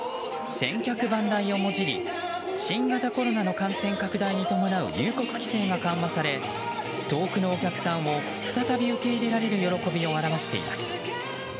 千客万来をもじり新型コロナの感染拡大に伴う入国規制が緩和され遠くのお客さんを再び受け入れられる喜びを表しています。